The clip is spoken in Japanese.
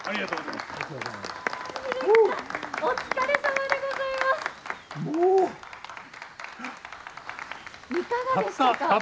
いかがでしたか？